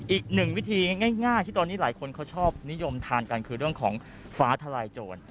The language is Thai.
อีกหนึ่งวิธีง่ายที่ตอนนี้หลายคนเขาชอบนิยมทานกันคือเรื่องของฟ้าทลายโจร